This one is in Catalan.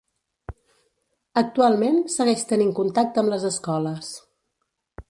Actualment segueix tenint contacte amb les escoles.